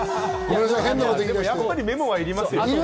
やっぱりメモは入りますよ。